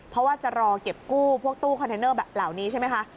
เพราะว่าจะรอเก็บกู้พวกตู้คอนเทนเนอร์แบบเหล่านี้ใช่ไหมคะ